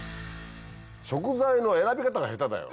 食材の選び方が下手だよ。